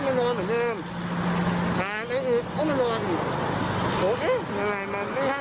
ไม่ได้ไปเลยใช่ไหม